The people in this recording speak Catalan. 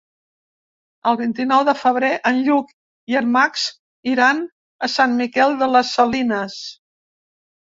El vint-i-nou de febrer en Lluc i en Max iran a Sant Miquel de les Salines.